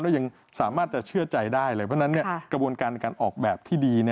แล้วยังสามารถจะเชื่อใจได้เลยเพราะฉะนั้นกระบวนการในการออกแบบที่ดี